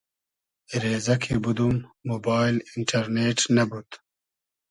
رېزۂ کی بودوم موبایل اینݖئرنېݖ نئبود